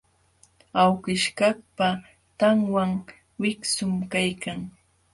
Awkishkaqpa tanwan wiksum kaykan.